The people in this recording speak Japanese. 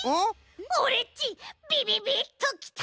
オレっちビビビッときた！